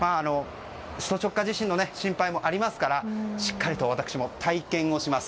首都直下地震の心配もありますからしっかりと私も体験します。